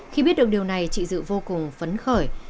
khi biết được điều này chị dự vô cùng phấn khởi